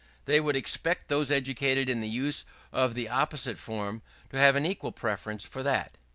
They would expect those educated in the use of the opposite form to have an equal preference for that.